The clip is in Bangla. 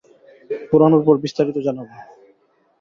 পোড়ানোর পর বিস্তারিত জানাবো?